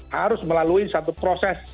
harus melalui satu proses